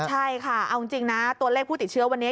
ใช่ค่ะเอาจริงนะตัวเลขผู้ติดเชื้อวันนี้